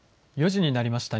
４時になりました。